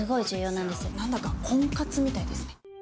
なんだか婚活みたいですね。